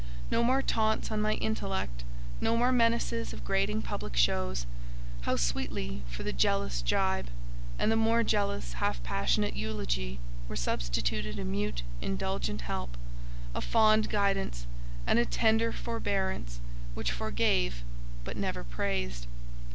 No more taunts on my "intellect," no more menaces of grating public shows! How sweetly, for the jealous gibe, and the more jealous, half passionate eulogy, were substituted a mute, indulgent help, a fond guidance, and a tender forbearance which forgave but never praised.